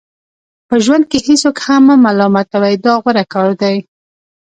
په ژوند کې هیڅوک هم مه ملامتوئ دا غوره کار دی.